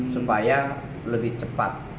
supaya lebih cepat